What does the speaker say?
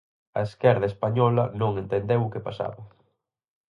A esquerda española non entendeu o que pasaba.